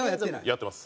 やってます。